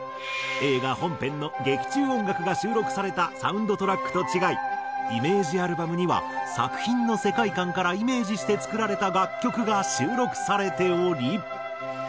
映画本編の劇中音楽が収録されたサウンドトラックと違いイメージアルバムには作品の世界観からイメージして作られた楽曲が収録されており。